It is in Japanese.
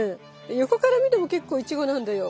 横から見ても結構イチゴなんだよ。